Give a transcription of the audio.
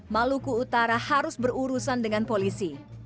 maluku utara harus berurusan dengan polisi